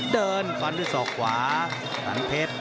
เดินความรู้สอกขวาสันเพชร